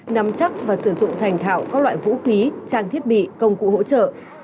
nắm chắc và sử dụng thành thạo các loại vũ khí trang thiết bị công cụ hỗ trợ